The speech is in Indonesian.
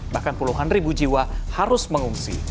bahkan puluhan ribu jiwa harus mengungsi